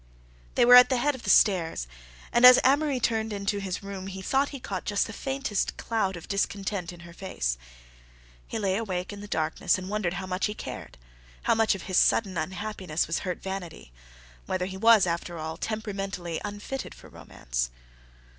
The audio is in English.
They were at the head of the stairs, and as Amory turned into his room he thought he caught just the faintest cloud of discontent in her face. He lay awake in the darkness and wondered how much he cared—how much of his sudden unhappiness was hurt vanity—whether he was, after all, temperamentally unfitted for romance.